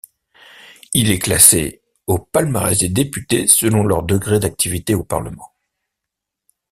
Il est classé au palmarès des députés selon leur degré d’activité au Parlement.